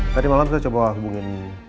tadi malam saya coba hubungin